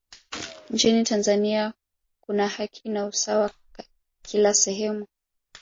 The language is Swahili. nchini tanzania kuna haki na usawa kila sehemu